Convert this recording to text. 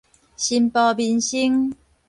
新埔民生